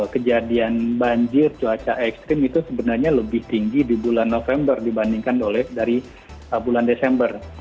kejadian banjir cuaca ekstrim itu sebenarnya lebih tinggi di bulan november dibandingkan dari bulan desember